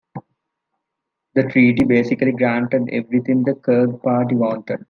The treaty basically granted everything the Kirk Party wanted.